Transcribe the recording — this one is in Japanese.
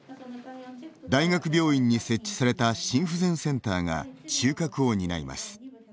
大学病院に設置された心不全センターが中核を担います。